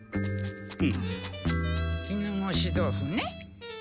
絹ごし豆腐ね。